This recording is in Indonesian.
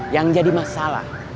yang jadi masalah